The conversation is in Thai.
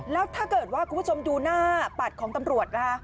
แล้วถ้าเกิดว่าคุณผู้ชมดูหน้าปัดของตำรวจนะคะ